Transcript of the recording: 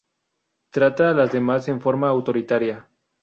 Trata a las demás en forma autoritaria.